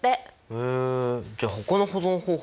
へえじゃあほかの保存方法